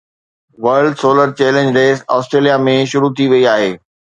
world solar challenge race Australia ۾ شروع ٿي وئي آهي